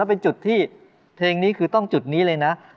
เป็นจุดที่เพลงนี้คือต้องจุดนี้เลยนะ